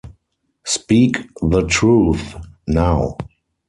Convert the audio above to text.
Speak the truth, now.